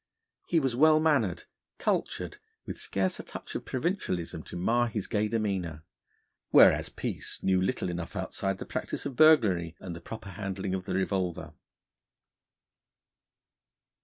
He was well mannered, cultured, with scarce a touch of provincialism to mar his gay demeanour: whereas Peace knew little enough outside the practice of burglary, and the proper handling of the revolver.